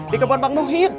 di tempat bang muhid